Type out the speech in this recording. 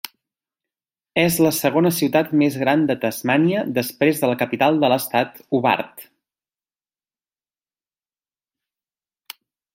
És la segona ciutat més gran de Tasmània després de la capital de l'estat Hobart.